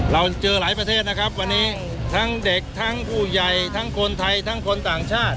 เราเจอหลายประเทศนะครับวันนี้ทั้งเด็กทั้งผู้ใหญ่ทั้งคนไทยทั้งคนต่างชาติ